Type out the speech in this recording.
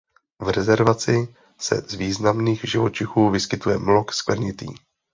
V rezervaci se z významných živočichů vyskytuje mlok skvrnitý.